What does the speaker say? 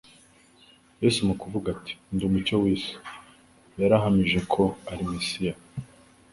Yesu mu kuvuga ati : "Ndi umucyo w'isi", yari ahamije ko ari Mesiya.